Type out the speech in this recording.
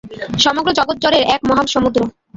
সমগ্র জগৎ জড়ের এক মহাসমুদ্র।